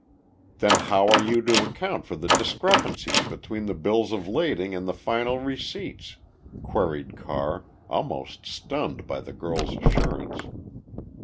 "Then how are you to account for the discrepancies between the bills of lading and the final receipts?" queried Carr, almost stunned by the girl's assurance.